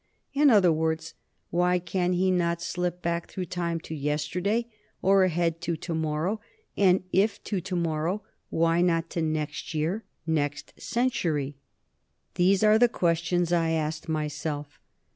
In other words, why can he not slip back through time to yesterday; or ahead to to morrow? And if to to morrow, why not to next year, next century? "These are the questions I asked myself.